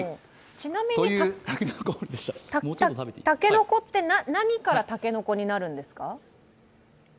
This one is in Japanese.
ちなみに竹の子って何から竹の子になるんですか？